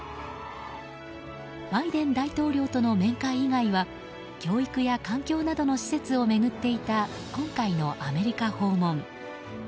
バイデン大統領との面会以外は教育や環境などの施設を巡っていた今回のアメリカ訪問。